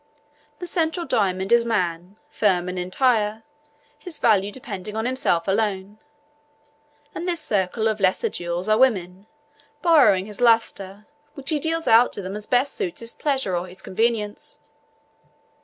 The central diamond is man, firm and entire, his value depending on himself alone; and this circle of lesser jewels are women, borrowing his lustre, which he deals out to them as best suits his pleasure or his convenience.